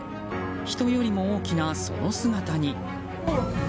人よりも大きなその姿に。